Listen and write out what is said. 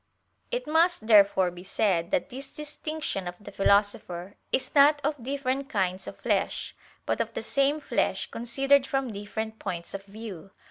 It must therefore be said that this distinction of the Philosopher is not of different kinds of flesh, but of the same flesh considered from different points of view.